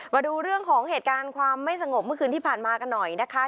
มาดูเรื่องของเหตุการณ์ความไม่สงบเมื่อคืนที่ผ่านมากันหน่อยนะคะ